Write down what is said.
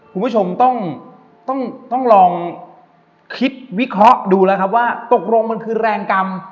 คุณผู้ชมต้องลองคิดวิเคราะห์ดูแล้วครับว่าตกลงมันคือแรงกรรม